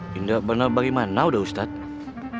tidak benar bagaimana udah ustadz